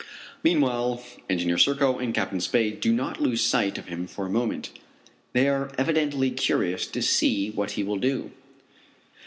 Meanwhile Engineer Serko and Captain Spade do not lose sight of him for a moment. They are evidently curious to see what he will do.